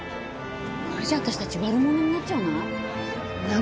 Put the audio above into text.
これじゃ私達悪者になっちゃわない？